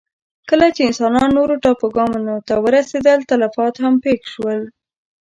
کله چې انسانان نورو ټاپوګانو ته ورسېدل، تلفات هم پېښ شول.